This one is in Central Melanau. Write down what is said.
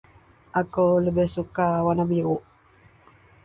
Akou lebeh suka warna biruk